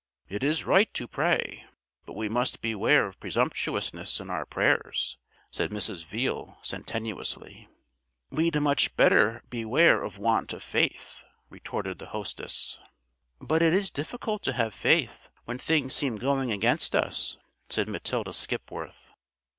"It is right to pray, but we must beware of presumptuousness in our prayers," said Mrs. Veale sententiously. "We'd much better beware of want of faith," retorted the hostess. "But it is difficult to have faith when things seem going against us," said Matilda Skipworth.